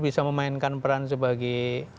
bisa memainkan peran sebagai